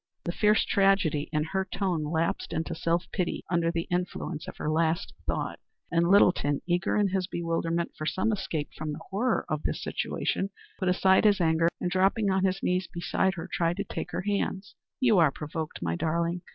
The fierce tragedy in her tone lapsed into self pity under the influence of her last thought, and Littleton, eager in his bewilderment for some escape from the horror of the situation, put aside his anger and dropping on his knees beside her tried to take her hands. "You are provoked, my darling.